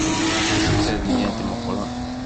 D tadyant meqqren.